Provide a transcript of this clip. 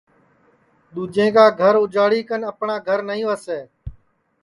دُؔوجیں کا گھر اُجاڑی کن اپٹؔاں گھر نائیں وسے